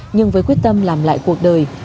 nhưng với quyết tâm làm lại cuộc đời